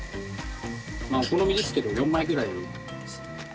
まあお好みですけど４枚ぐらい入れます。